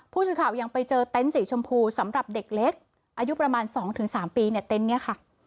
ผู้สื่อข่าวยังไปเจอเต็นต์สีชมพูสำหรับเด็กเล็กอายุประมาณ๒๓ปีเนี่ยเต็นต์นี้ค่ะ